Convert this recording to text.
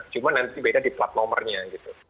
cuma nanti beda di plat nomornya gitu